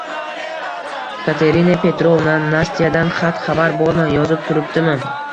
Katerina Petrovna, Nastyadan xat-xabar bormi? Yozib turibdimi?